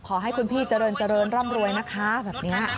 ขอให้คุณพี่เจริญเจริญร่ำรวยนะคะแบบนี้